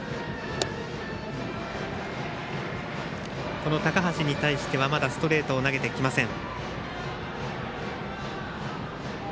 この高橋に対してはまだストレートを投げてきません。